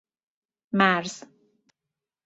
مرز